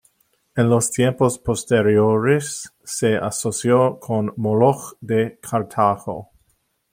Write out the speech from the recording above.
En los tiempos posteriores, se asoció con Moloch de Cartago.